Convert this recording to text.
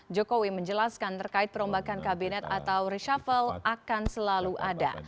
jokowi menjelaskan terkait perombakan kabinet atau reshuffle akan selalu ada